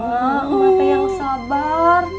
mak emak payah sabar